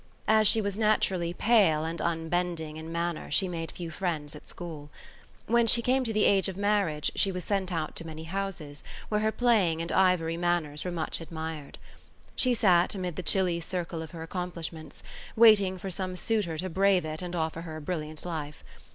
As she was naturally pale and unbending in manner she made few friends at school. When she came to the age of marriage she was sent out to many houses where her playing and ivory manners were much admired. She sat amid the chilly circle of her accomplishments, waiting for some suitor to brave it and offer her a brilliant life.